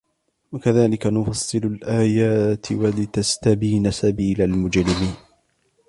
وكذلك نفصل الآيات ولتستبين سبيل المجرمين